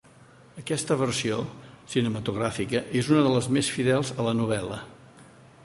Aquesta versió cinematogràfica és una de les més fidels a la novel·la.